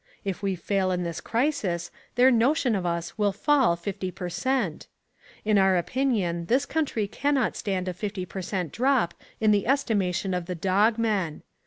If we fail in this crisis their notion of us will fall fifty per cent. In our opinion this country cannot stand a fifty per cent drop in the estimation of the Dog Men.